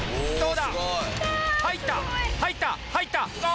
どうだ？